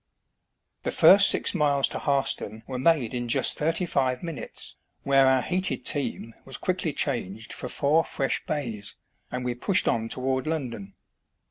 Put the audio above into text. The first six miles to Harston were made in just thirty five minutes, where our heated team was quickly changed for four fresh bays, and we pushed on toward London.